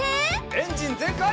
エンジンぜんかい！